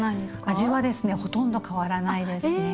味はですねほとんど変わらないですね。